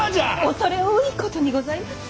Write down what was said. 恐れ多いことにございます。